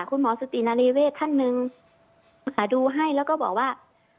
คุณหมอสตินารีเวศท่านหนึ่งดูให้แล้วก็บอกว่า